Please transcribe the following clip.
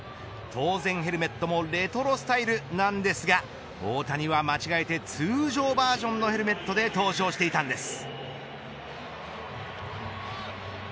当然ヘルメットもレトロスタイルなんですが大谷は間違えて通常バージョンのヘルメットで登場していたんです。